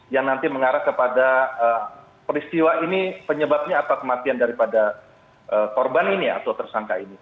yang nanti mengarah kepada peristiwa ini penyebabnya atas kematian daripada korban ini atau tersangka ini